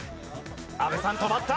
阿部さん止まった！